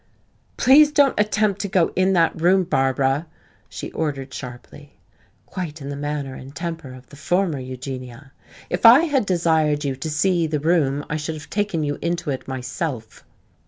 "Please don't attempt to go in that room, Barbara!" she ordered sharply, quite in the manner and temper of the former Eugenia. "If I had desired you to see the room I should have taken you into it myself."